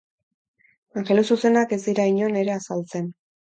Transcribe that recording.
Angelu zuzenak ez dira inon ere azaltzen.